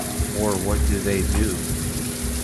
Or what do they do?